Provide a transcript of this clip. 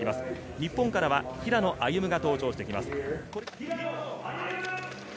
日本からは平野歩夢が登場してきます。